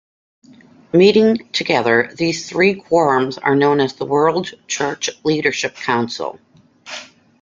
Meeting together, these three quorums are known as the World Church Leadership Council.